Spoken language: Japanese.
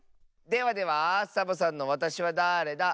ではではサボさんの「わたしはだれだ？」。